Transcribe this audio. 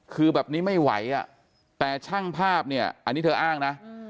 คือแบบนี้ไม่ไหวอ่ะแต่ช่างภาพเนี่ยอันนี้เธออ้างนะ